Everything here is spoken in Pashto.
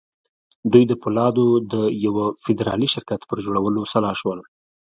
دوی د پولادو د یوه فدرالي شرکت پر جوړولو سلا شول